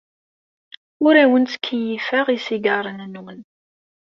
Ur awen-ttkeyyifeɣ isigaṛen-nwen.